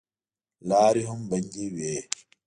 لارې هم بندې وې.